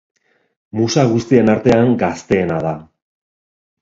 Musa guztien artean gazteena da.